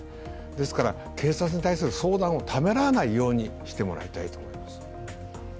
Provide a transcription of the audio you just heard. ですから、警察に対する相談をためらわないようにしてもらいたいと思います。